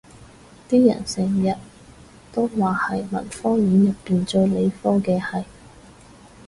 啲人成日都話係文學院入面最理科嘅系